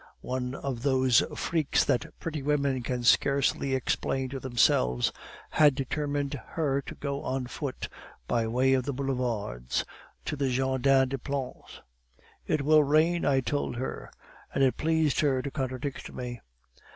One of those freaks that pretty women can scarcely explain to themselves had determined her to go on foot, by way of the boulevards, to the Jardin des Plantes. "'It will rain,' I told her, and it pleased her to contradict me.